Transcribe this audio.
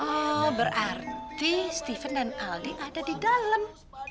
oh berarti steven dan aldi ada di dalam